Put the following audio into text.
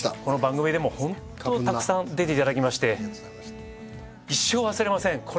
この番組でもホントたくさん出ていただきまして一生忘れません